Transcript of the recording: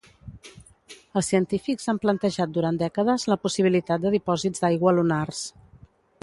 Els científics han plantejat durant dècades la possibilitat de dipòsits d'aigua lunars.